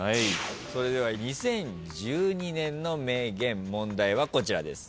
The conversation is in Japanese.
それでは２０１２年の名言問題はこちらです。